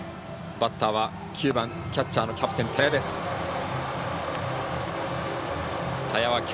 バッターは９番キャッチャーのキャプテン田屋です。